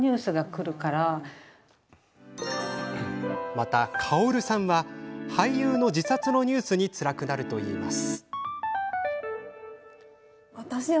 また、かおるさんは俳優の自殺のニュースにつらくなるといいます。